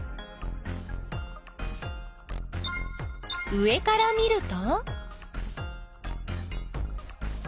上から見ると？